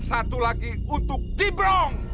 satu lagi untuk ciprong